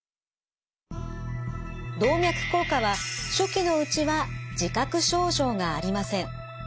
動脈硬化は初期のうちは自覚症状がありません。